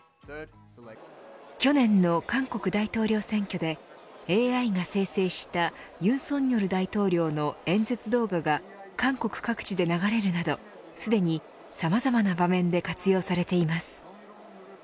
去年の韓国大統領選挙でＡＩが生成した尹錫悦大統領の演説動画が韓国各地で流れるなどすでに、さまざまな場面で活用されています。